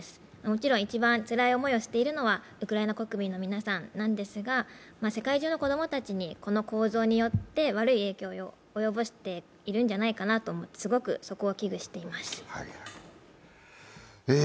もちろん一番つらい思いをしているのはウクライナ国民の皆さんなんですが、世界中の子供たちに、この構造によって悪い影響を及ぼしているのではないかとすごく、そこは危惧しています。